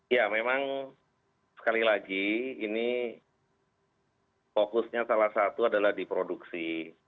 ya memang sekali lagi ini fokusnya salah satu adalah di produksi